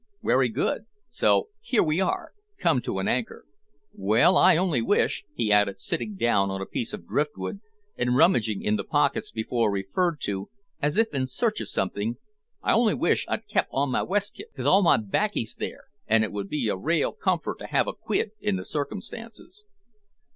"Werry good; so here we are come to an anchor! Well, I only wish," he added, sitting down on a piece of driftwood, and rummaging in the pockets before referred to, as if in search of something "I only wish I'd kep' on my weskit, 'cause all my 'baccy's there, and it would be a rael comfort to have a quid in the circumstances."